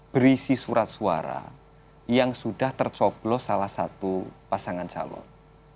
berisi surat suara yang sudah tercoblos salah satu pasangan calon